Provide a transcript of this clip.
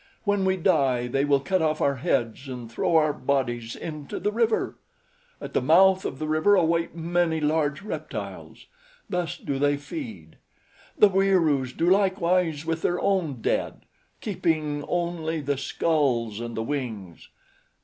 When we die, they will cut off our heads and throw our bodies into the river. At the mouth of the river await many large reptiles. Thus do they feed. The Wieroos do likewise with their own dead, keeping only the skulls and the wings.